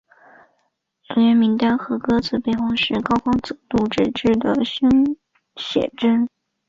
人员名单和歌词背后是高光泽度纸质的生写真。